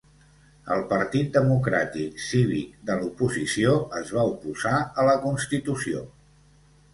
El Partit Democràtic Cívic de l'oposició es va oposar a la Constitució.